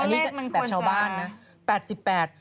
รอเลขมันควรจะอันนี้แปดชาวบ้านนะแปดสิบแปด